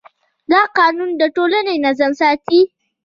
دا قانون د ټولنې نظم ساتي.